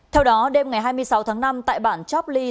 theo đó đêm ngày hai mươi sáu tháng năm tại bản chop lee